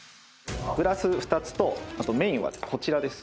グラス２つとメインはこちらです。